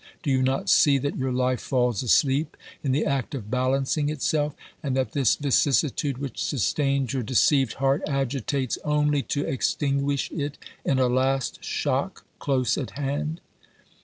Do you not see that your life falls asleep in the act of balancing itself, and that this vicissitude which sustains your deceived heart agitates only to extinguish it in a last shock close at hand